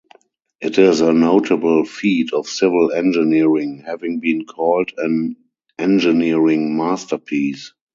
It is a notable feat of civil engineering, having been called an 'engineering masterpiece'.